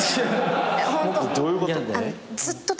どういうこと？